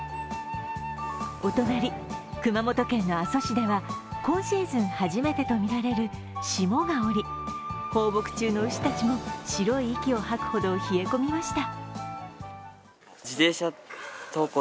お隣、熊本県の阿蘇市では今シーズン初めてとみられる霜が降り放牧中の牛たちも白い息を吐くほど冷え込みました。